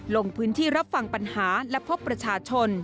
ลงพื้นที่รับฟังปัญหาและพบประชาชน